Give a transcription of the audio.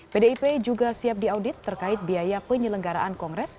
pdip juga siap diaudit terkait biaya penyelenggaraan kongres